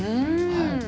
はい。